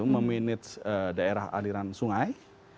memenit daerah aliran sungai